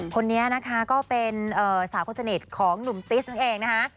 คนนี้นะคะก็เป็นสาวคนสนิทของหนุ่มติสนั่นเองนะคะ